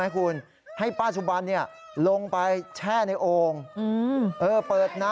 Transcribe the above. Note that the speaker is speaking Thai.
กลัวไหน